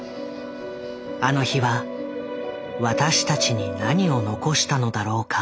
あの日は私たちに何を残したのだろうか？